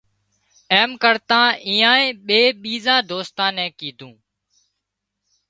ايم ڪرتا ايئان ٻي ٻيزان دوستان نين ڪيڌون